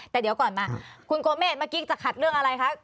แต่เดี๋ยวก่อนมาคุณโกเมฆเมื่อกี้จะขัดเรื่องอะไรคะ